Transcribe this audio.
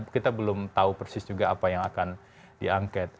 kita belum tahu persis juga apa yang akan diangket